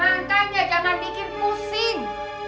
rangkanya jangan bikin pusing